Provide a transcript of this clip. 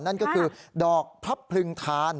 นั่นก็คือดอกพลับพลึงทาน